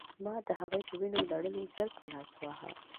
ما د هغې په وینو لړلو زلفو لاس واهه